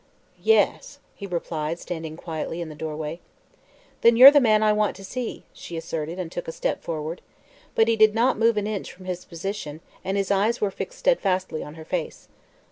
"Yes," he replied, standing quietly in the doorway. "Then you're the man I want to see," she asserted and took a step forward. But he did not move an inch from his position and his eyes were fixed steadfastly on her face.